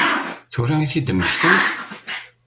Tura i t-id-temmektamt?